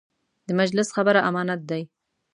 د مجلس خبره امانت دی.